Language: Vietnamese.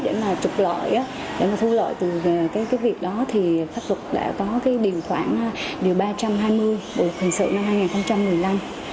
để mà trục lợi để mà thu lợi từ cái việc đó thì pháp luật đã có cái điều khoản điều ba trăm hai mươi bộ hình sự năm hai nghìn một mươi năm